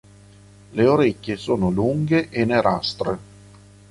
Le orecchie sono lunghe e nerastre.